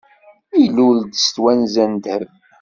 Ilul-d s twenza n ddheb.